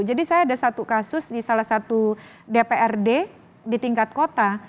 jadi saya ada satu kasus di salah satu dprd di tingkat kota